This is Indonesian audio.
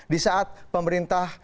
di saat pemerintah